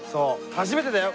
初めてだよ。